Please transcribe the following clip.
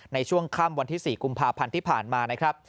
ในช่วงค่ำวันที่๔กุมภาพันธ์ที่ผ่านมานะครับ